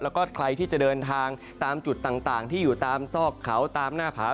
แล้วก็ใครที่จะเดินทางตามจุดต่างที่อยู่ตามซอกเขาตามหน้าผา